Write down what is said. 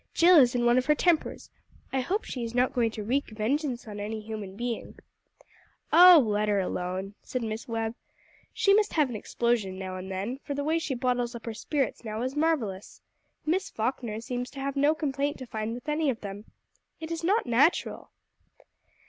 Jill is in one of her tempers. I hope she is not going to wreak vengeance on any human being." "Oh, let her alone," said Miss Webb. "She must have an explosion now and then, for the way she bottles up her spirits now is marvellous. Miss Falkner seems to have no complaint to find with any of them. It is not natural."